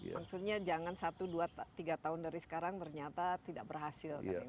maksudnya jangan satu dua tiga tahun dari sekarang ternyata tidak berhasil